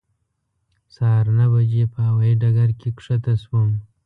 سهار نهه بجې په هوایې ډګر کې ښکته شوم.